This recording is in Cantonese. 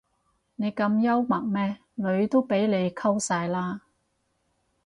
你咁幽默咩女都俾你溝晒啦